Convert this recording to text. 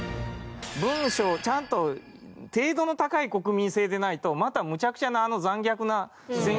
文書をちゃんと程度の高い国民性でないとまたむちゃくちゃなあの残虐な戦国に戻る。